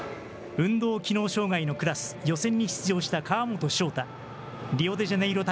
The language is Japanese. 運動機能障害のクラス、予選に出場した川本翔大。